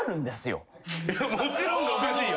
もちろんがおかしいよ。